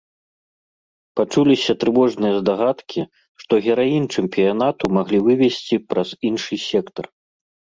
Пачуліся трывожныя здагадкі, што гераінь чэмпіянату маглі вывезці праз іншы сектар.